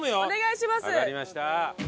わかりました。